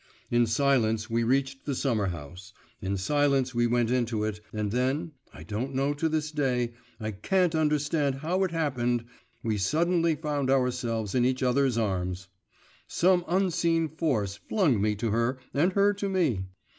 In silence we reached the summer house, in silence we went into it, and then I don't know to this day, I can't understand how it happened we suddenly found ourselves in each other's arms. Some unseen force flung me to her and her to me.